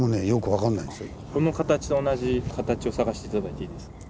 この形と同じ形を探して頂いていいですか？